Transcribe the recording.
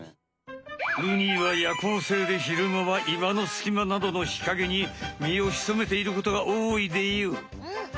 ウニは夜行性でひるまは岩のすきまなどのひかげに身をひそめていることがおおいでよ。